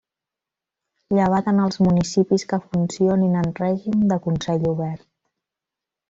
Llevat en els municipis que funcionin en règim de consell obert.